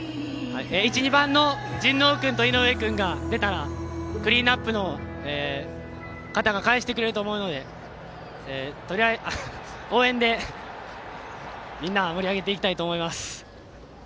１、２番の神農君と井上君が出たらクリーンナップの方がかえしてくれると思うので応援でみんなを盛り上げていきたいと思います。